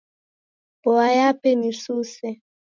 Mboa yape ni suse.